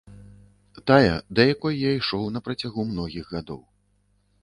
Тая, да якой я ішоў на працягу многіх гадоў.